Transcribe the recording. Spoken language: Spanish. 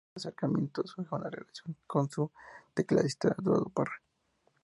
De este acercamiento surge una relación con su tecladista, Eduardo Parra.